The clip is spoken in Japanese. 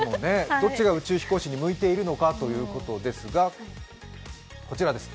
どっちが宇宙飛行士に向いているのかということですがこちらです。